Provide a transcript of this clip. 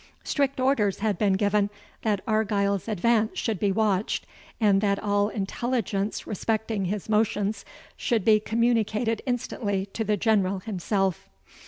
Strict orders had been given that Argyle's advance should be watched, and that all intelligence respecting his motions should be communicated instantly to the General himself.